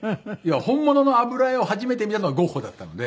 本物の油絵を初めて見たのがゴッホだったので。